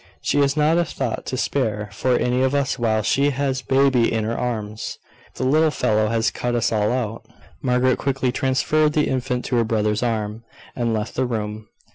She has not a thought to spare for any of us while she has baby in her arms. The little fellow has cut us all out." Margaret quickly transferred the infant to her brother's arm, and left the room.